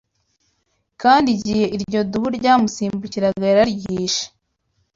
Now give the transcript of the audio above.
Kandi igihe iryo dubu ryamusimbukiraga yararyishe